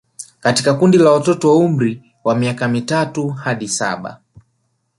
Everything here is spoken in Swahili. Katika kundi la watoto wa umri wa miaka mitatu hadi saba